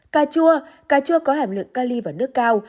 cà chua cà chua có hẳn lượng cali và nước cao